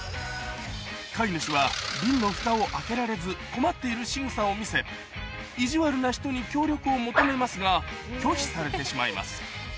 飼い主は瓶のフタを開けられず困っているしぐさを見せいじわるな人に協力を求めますが拒否されてしまいます